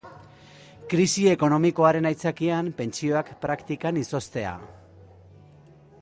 Krisi ekonomikoaren aitzakian pentsioak praktikan izoztea.